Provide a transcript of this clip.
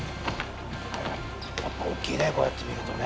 やっぱり大きいね、こうやって見るとね。